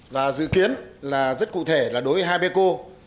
và dự kiến là rất cụ thể là đối với hepeco